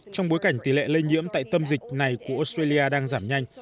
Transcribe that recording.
trong bối cảnh tỷ lệ lây nhiễm tại tâm dịch này của australia đang giảm nhanh